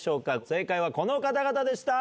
正解はこの方々でした。